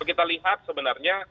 kita lihat sebenarnya